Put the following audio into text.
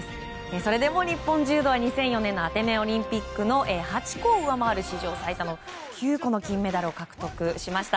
それでも日本柔道はアテネオリンピックの８個を上回る史上最多の９個の金メダルを獲得しました。